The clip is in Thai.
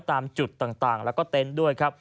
ตามจุดต่างแล้วก็เต็นต์ด้วยครับ